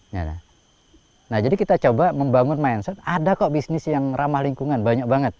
nah jadi kita coba membangun mindset ada kok bisnis yang ramah lingkungan banyak banget